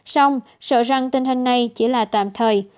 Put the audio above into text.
xong sợ rằng tình hình này chỉ là tạm thời